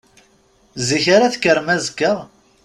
Zik ara tekkrem azekka?